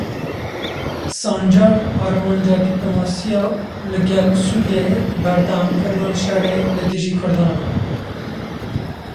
Sancar Armanca dîplomasiya li gel Sûriyeyê berdewamkirina şerê li dijî Kurdan e.